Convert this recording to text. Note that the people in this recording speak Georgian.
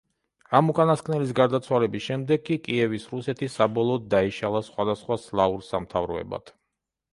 ამ უკანასკნელის გარდაცვალების შემდეგ კი კიევის რუსეთი საბოლოოდ დაიშალა სხვადასხვა სლავურ სამთავროებად.